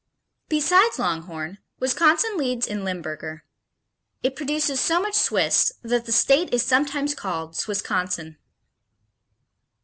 Besides Longhorn, Wisconsin leads in Limburger. It produces so much Swiss that the state is sometimes called Swissconsin.